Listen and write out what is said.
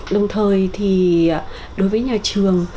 đồng thời thì đối với nhà trường